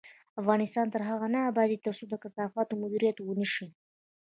افغانستان تر هغو نه ابادیږي، ترڅو د کثافاتو مدیریت ونشي.